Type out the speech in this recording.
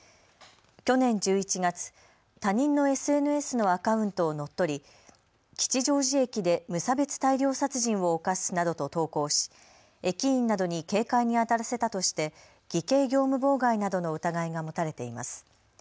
去年１１月、他人のＳＮＳのアカウントを乗っ取り、吉祥寺駅で無差別大量殺人を犯すなどと投稿し、駅員などに警戒にあたらさせたとして偽計業務妨害などの疑いが持たれています。